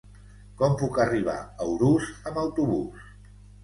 Com puc arribar a Urús amb autobús?